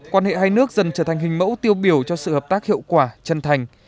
quan hệ hai nước dần trở thành hình mẫu tiêu biểu cho sự hợp tác hiệu quả chân thành